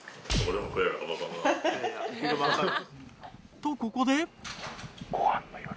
とここで。